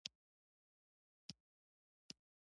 موږ چي شعر لیکو له طبیعت څخه تقلید کوو.